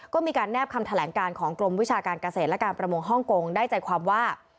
ก็มีการแนบคำแถลงการของกรมวิชาการเกษตรและการประมงฮ่องกงได้ใจความว่า